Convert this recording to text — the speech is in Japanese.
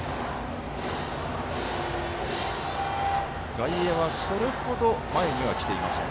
外野はそれほど前には来ていません。